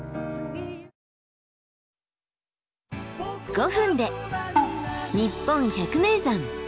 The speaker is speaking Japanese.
５分で「にっぽん百名山」。